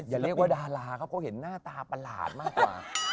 อย่าเรียกว่าดาราเขาก็เห็นหน้าตาประหลาดมากกว่า